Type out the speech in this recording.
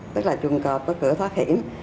tức là chuồn cọp có cửa thoát hiểm